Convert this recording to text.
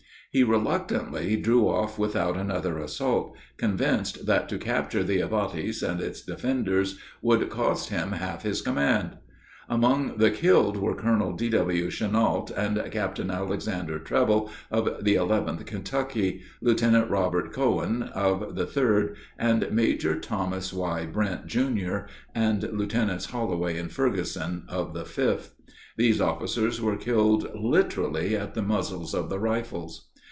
He reluctantly drew off without another assault, convinced that to capture the abatis and its defenders would cost him half his command. Among the killed were Colonel D.W. Chenault and Captain Alexander Treble of the 11th Kentucky, Lieutenant Robert Cowan of the 3d, and Major Thomas Y. Brent, Jr., and Lieutenants Holloway and Ferguson of the 5th. These officers were all killed literally at the muzzles of the rifles.